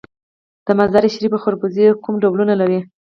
د مزار شریف خربوزې کوم ډولونه لري؟